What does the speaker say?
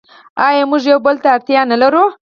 آیا موږ یو بل ته اړتیا نلرو؟